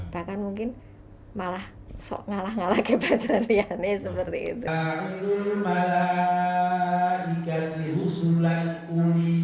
bahkan mungkin malah ngalah ngalah ke pelajaran riane seperti itu